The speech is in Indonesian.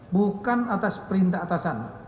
bukan atas perintah atasan